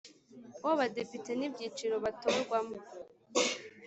w Abadepite n ibyiciro batorwamo